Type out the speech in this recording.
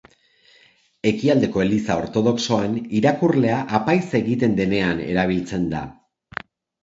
Ekialdeko eliza ortodoxoan irakurlea apaiz egiten denean erabiltzen da.